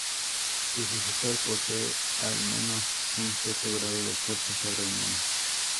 Su sucesor posee al menos un cierto grado de fuerza sobrehumana.